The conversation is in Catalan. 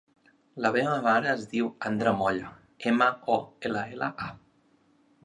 La meva mare es diu Andra Molla: ema, o, ela, ela, a.